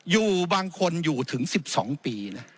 อยู่บางคนอยู่ถึง๑๒ปีนะ